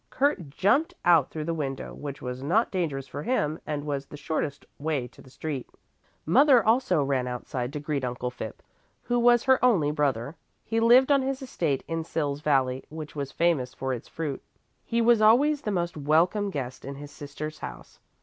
Kurt jumped out through the window, which was not dangerous for him and was the shortest way to the street. The mother also ran outside to greet Uncle Phipp who was her only brother. He lived on his estate in Sils valley, which was famous for its fruit. He was always the most welcome guest in his sister's house.